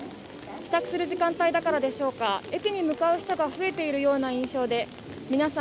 帰宅する時間帯だからでしょうか、駅に向かう人が増えている印象で皆さん